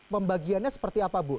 pembagiannya seperti apa bu